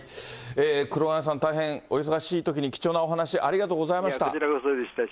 黒鉄さん、大変お忙しいときに、貴重なお話、ありがとうござこちらこそでした。